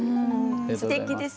すてきです。